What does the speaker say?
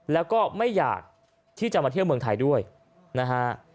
แล้วก็ไม่อยากที่จะมาเที่ยวเมืองไทยด้วยนะฮะ